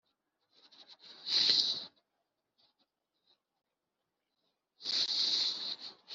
ryacu ryatumizaga amagazeti buri kwezi Nyuma y amezi